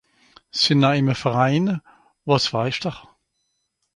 sìnn eime Verain wàs (faischter) ?